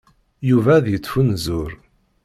Yuba ad yettfunzur.